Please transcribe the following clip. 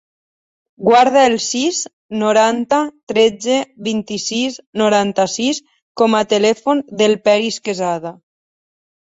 Guarda el sis, noranta, tretze, vint-i-sis, noranta-sis com a telèfon del Peris Quezada.